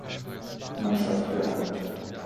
Mannschaft gehabt.